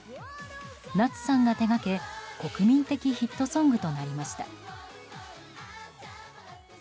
夏さんが手掛け国民的ヒットソングとなりました。